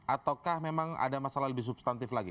ataukah memang ada masalah lebih substantif lagi